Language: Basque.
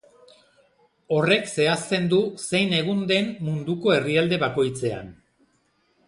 Horrek zehazten du zein egun den munduko herrialde bakoitzean.